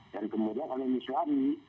dan kemudian oleh niswani